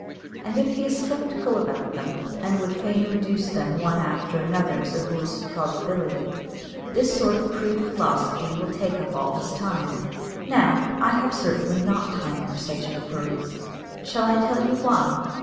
And if he is sceptical about them, and would fain reduce them one after another to the rules of probability, this sort of crude philosophy will take up all his time. Now, I have certainly not time for such inquiries. Shall I tell you why?